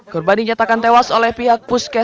korban dinyatakan tewas oleh pihak puskesmas